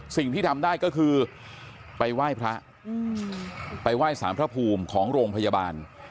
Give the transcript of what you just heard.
สิ่งที่ทำได้ก็คือไปไหว้พระไปไหว้สารพระภูมิของโรงพยาบาล